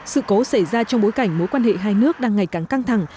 sự cố xảy ra trong bối cảnh mối quan hệ hai nước đang ngày càng căng thẳng